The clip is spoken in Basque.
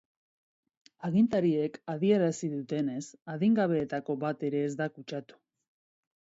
Agintariek adierazi dutenez, adingabeetako bat ere ez da kutsatu.